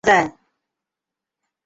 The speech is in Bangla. অত অল্প কারণে কি আর গাইল দেওন যায়?